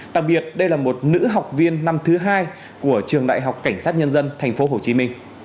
đặc biệt đây là một nữ học viên năm thứ hai của trường đại học cảnh sát nhân dân tp hcm